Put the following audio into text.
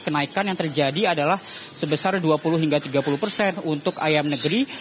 kenaikan yang terjadi adalah sebesar dua puluh hingga tiga puluh persen untuk ayam negeri